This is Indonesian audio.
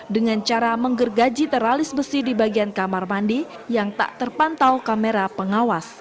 dengan cara menggergaji teralis besi di bagian kamar mandi yang tak terpantau kamera pengawas